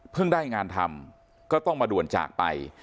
ได้งานทำก็ต้องมาด่วนจากไป